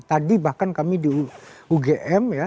tadi bahkan kami di ugm ya